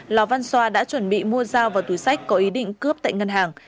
lò văn xoa đã chuẩn bị mua giao vào túi sách có ý định cướp tại ngân hàng